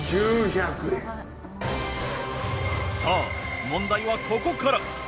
さあ問題はここから。